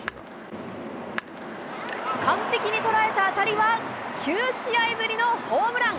完璧に捉えた当たりは９試合ぶりのホームラン。